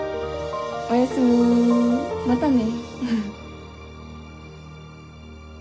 おやすみまたね。